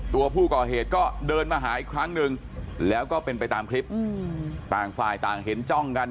ตัวผู้ก่อเหตุก็เดินมาหาอีกครั้งหนึ่งแล้วก็เป็นไปตามคลิปต่างฝ่ายต่างเห็นจ้องกัน